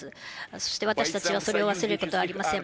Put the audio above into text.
そして私たちはそれを忘れることはありません。